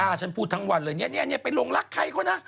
ถ้าฉันพูดทั้งวันเลยเนี่ยไปลงรักใครเขานะ